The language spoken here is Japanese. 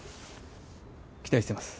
期待してます。